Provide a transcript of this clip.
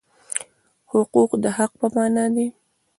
حقوق د حق په مانا دي.